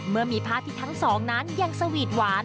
เมื่อมีภาพที่ทั้งสองนั้นยังสวีทหวาน